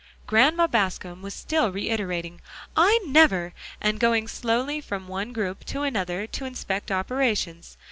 Grandma Bascom was still reiterating "I never," and going slowly from one group to another to inspect operations.